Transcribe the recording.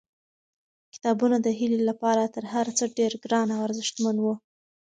کتابونه د هیلې لپاره تر هر څه ډېر ګران او ارزښتمن وو.